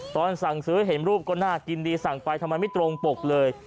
ตอนสั่งซื้อเห็นรูปก็น่ากินดีสั่งไปทำไมไม่ตรงปกเลย